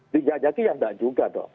dijajaki ya enggak juga dong